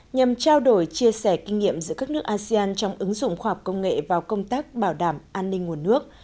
nhằm trao đổi chia sẻ kinh nghiệm giữa các nước asean trong ứng dụng khoa học công nghệ vào công tác bảo đảm an ninh nguồn nước